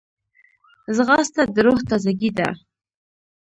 ځغاسته د روح تازګي ده